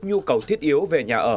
nhu cầu thiết yếu về nhà ở